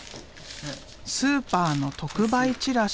スーパーの特売チラシ。